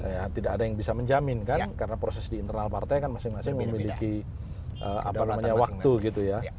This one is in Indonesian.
ya tidak ada yang bisa menjamin kan karena proses di internal partai kan masing masing memiliki apa namanya waktu gitu ya